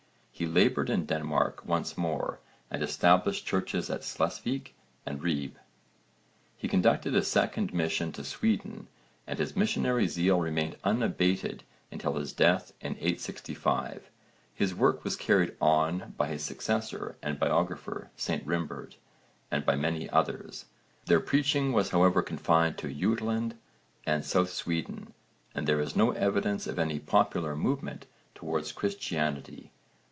He laboured in Denmark once more and established churches at Slesvík and Ribe. He conducted a second mission to Sweden and his missionary zeal remained unabated until his death in 865; his work was carried on by his successor and biographer St Rimbert and by many others. Their preaching was however confined to Jutland and South Sweden and there is no evidence of any popular movement towards Christianity.